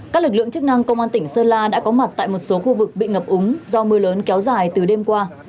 các lực lượng chức năng công an tỉnh sơn la đã có mặt tại một số khu vực bị ngập úng do mưa lớn kéo dài từ đêm qua